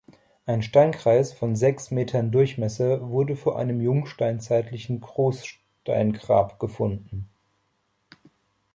Ein Steinkreis von sechs Metern Durchmesser wurde vor einem jungsteinzeitlichen Großsteingrab gefunden.